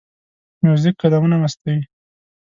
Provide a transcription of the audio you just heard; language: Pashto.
موزیک قدمونه مستوي.